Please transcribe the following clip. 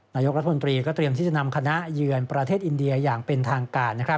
นายกรัฐมนตรีก็เตรียมที่จะนำคณะเยือนประเทศอินเดียอย่างเป็นทางการ